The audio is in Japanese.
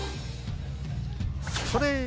それ！